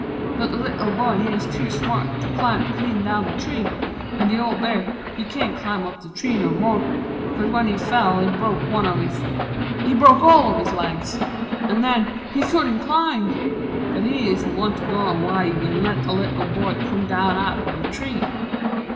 But the Little Boy he 'uz too smart To climb clean down the tree. An' the old Bear He can't climb up the tree no more 'cause when He fell, he broke one of his he broke all His legs! an' nen he couldn't climb! But he Ist won't go 'way an' let the Little Boy Come down out of the tree.